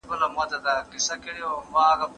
هغه وویل چي د استاد ټاکل مهمه پرېکړه ده.